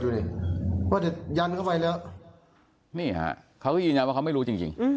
มานี่ครับเค้าหญิงงันฃร้าว่าเค้าไม่รู้จริง